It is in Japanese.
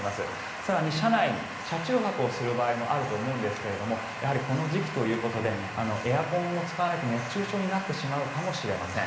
更に社内、車中泊する場合もあると思うんですがこの時期ということでエアコンを使わないと熱中症になるかもしれません。